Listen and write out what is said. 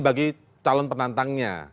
bagi calon penantangnya